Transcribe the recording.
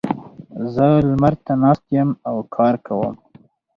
زه لمر ته ناست یم او کار کوم.